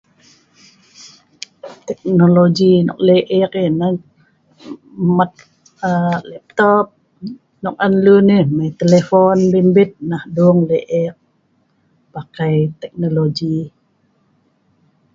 Teknologi nok lek ek ai, mat laptop, nok on lun ai, mat telepon bimbit neh dung lek ek pakai teknologi